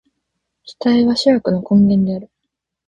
期待は諸悪の根源である。